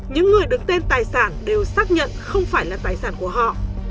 những người đứng tên tài sản đều xác nhận không phải là tài sản của họ